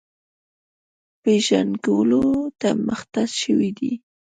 پېژنګلو ته مختص شوی دی،